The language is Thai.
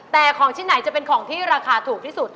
แต่ของชิ้นไหนจะเป็นของที่ราคาถูกที่สุด